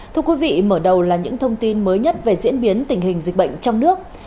thưa quý vị mở đầu là những thông tin mới nhất về diễn biến tình hình dịch bệnh trong nước